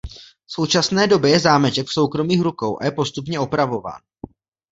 V současné době je zámeček v soukromých rukou a je postupně opravován.